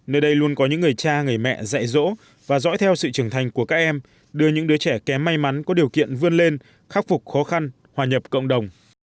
nơi đây luôn có những người cha người mẹ dạy dỗ và dõi theo sự trưởng thành của các em đưa những đứa trẻ kém may mắn có điều kiện vươn lên khắc phục khó khăn hòa nhập cộng đồng